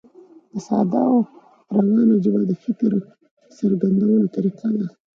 په ساده او روانه ژبه د فکر څرګندولو طریقه ده.